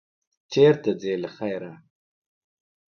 چېرته ځې، له خیره؟